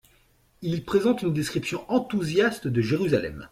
Il présente une description enthousiaste de Jérusalem.